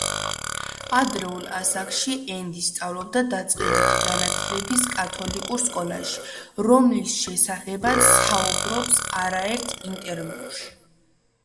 ადრეულ ასაკში ენდი სწავლობდა დაწყებითი განათლების კათოლიკურ სკოლაში, რომლის შესახებაც საუბრობს არაერთ ინტერვიუში.